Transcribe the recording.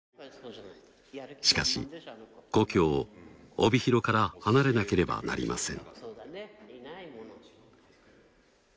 しかし故郷帯広から離れなければなりません。